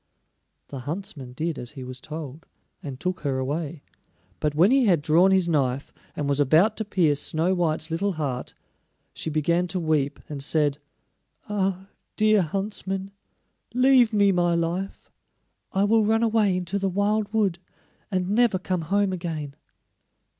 The huntsman did as he was told, and took her away; but when he had drawn his knife, and was about to pierce Snow white's little heart, she began to weep, and said: "Ah, dear huntsman, leave me my life! I will run away into the wild wood, and never come home again."